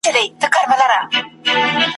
کشکي زما او ستا بهار لکه د ونو د شنېلیو ..